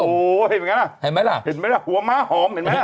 โหเห็นไหมล่ะหัวม้าหอม